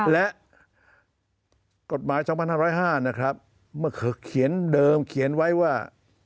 และกฎหมาย๒๕๐๕นะครับเมื่อเขียนเดิมเขียนไว้ว่า